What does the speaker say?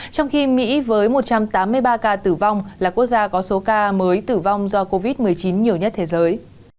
trong khi mỹ với một trăm tám mươi ba ca tử vong là quốc gia có số ca mới tử vong do covid một mươi chín nhiều nhất thế giới